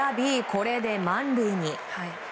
これで満塁に。